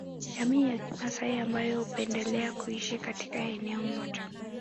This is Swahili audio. Jamii ya kimasai ambayo hupendelea kuishi katika eneo moja